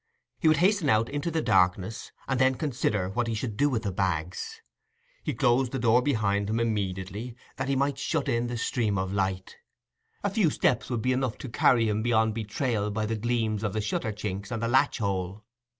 He would hasten out into the darkness, and then consider what he should do with the bags. He closed the door behind him immediately, that he might shut in the stream of light: a few steps would be enough to carry him beyond betrayal by the gleams from the shutter chinks and the latch hole.